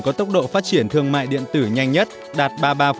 có tốc độ phát triển thương mại điện tử nhanh nhất đạt ba mươi ba